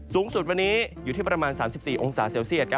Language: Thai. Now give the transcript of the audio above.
สูงสุดวันนี้อยู่ที่ประมาณ๓๔องศาเซลเซียต